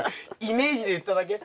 イメージで言っただけ？